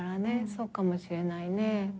そうかもしれないね。